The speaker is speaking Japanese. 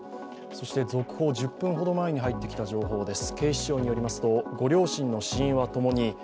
そして続報、１０分ほど前に入ってきた情報です。